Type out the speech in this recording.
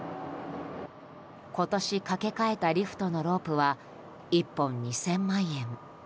今年、架け替えたリフトのロープは１本２０００万円。